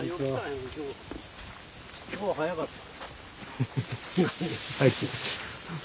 今日は早かったな。